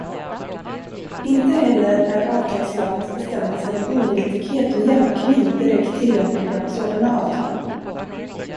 Inte heller är avtalslagens bestämmelser om ogiltighet och jämkning direkt tillämpliga på sådana avtal.